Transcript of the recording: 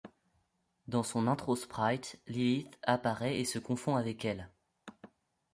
Dans son intro-sprite, Lilith apparaît et se confond avec elle.